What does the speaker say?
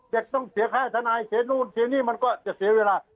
ต้องเสียค่าทนายเสียนู่นเสียนี่มันก็จะเสียเวลา